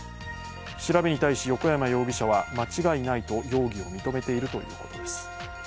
調べに対し横山容疑者は間違いないと容疑を認めているということです。